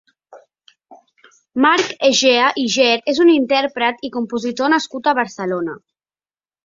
Marc Egea i Ger és un intèrpret i compositor nascut a Barcelona.